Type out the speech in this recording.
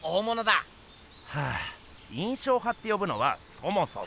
はぁ印象派って呼ぶのはそもそも。